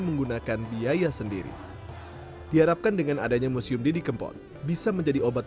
menggunakan biaya sendiri diharapkan dengan adanya museum didi kempot bisa menjadi obat